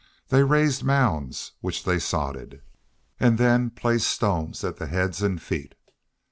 They raised mounds, which they sodded, and then placed stones at the heads and feet.